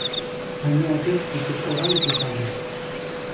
Hanya ada sedikit orang di taman.